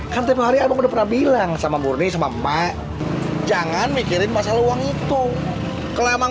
kan tepuk hari aku pernah bilang sama murni sama emak jangan mikirin masalah uang itu kelemang